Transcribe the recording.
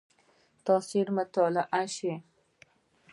تاثیر مطالعه شي.